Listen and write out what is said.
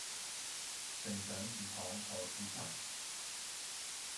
丞相祠堂何處尋